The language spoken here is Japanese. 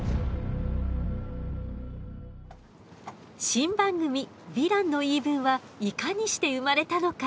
新番組「ヴィランの言い分」はいかにして生まれたのか。